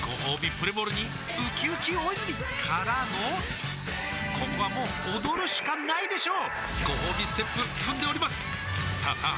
プレモルにうきうき大泉からのここはもう踊るしかないでしょうごほうびステップ踏んでおりますさあさあ